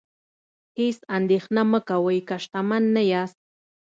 هیڅ اندیښنه مه کوئ که شتمن نه یاست.